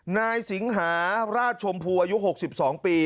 นายสิงหาราชชมพูอายุ๖๒ปี